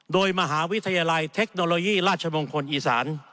โดยมหาวิทยาลัยเทคโนโลยีราชมงคลอีสาน